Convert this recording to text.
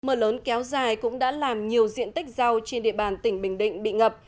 mưa lớn kéo dài cũng đã làm nhiều diện tích rau trên địa bàn tỉnh bình định bị ngập